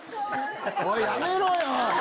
おいやめろよ！